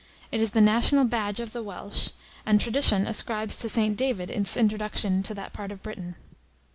It is the national badge of the Welsh, and tradition ascribes to St. David its introduction to that part of Britain.